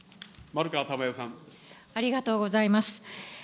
ありがとうございます。